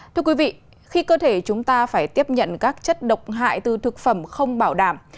thưa quý vị khi cơ thể chúng ta phải tiếp nhận các chất độc hại từ thực phẩm không bảo đảm